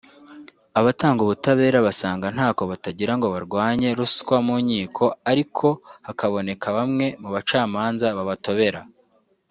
Abatanga ubutabera basanga ntako batagira ngo barwanye ruswa mu nkiko ariko hakabonekamo bamwe mu bacamanza babatobera